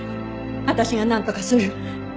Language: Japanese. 私がなんとかする。